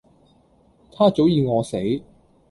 她早己餓死